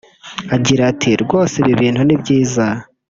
Agira ati “Rwose ibi bintu ni byiza